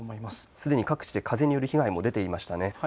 すでに各地で風による被害が出ていましたね。